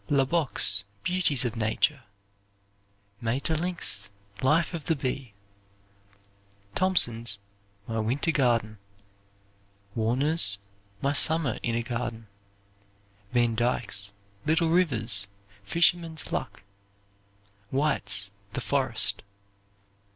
Lubbock's "Beauties of Nature." Maeterlinck's "Life of the Bee." Thompson's "My Winter Garden." Warner's "My Summer in a Garden." Van Dyke's "Little Rivers," "Fisherman's Luck." White's "The Forest."